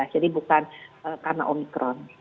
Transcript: jadi bukan karena omikron